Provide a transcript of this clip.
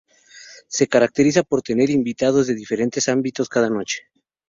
Se caracteriza por tener invitados de diferentes ámbitos cada noche.